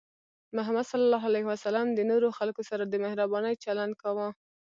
محمد صلى الله عليه وسلم د نورو خلکو سره د مهربانۍ چلند کاوه.